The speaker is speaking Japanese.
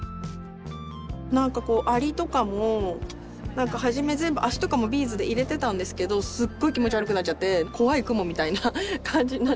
アリとかもはじめ全部足とかもビーズで入れてたんですけどすっごい気持ち悪くなっちゃって怖いクモみたいな感じになっちゃって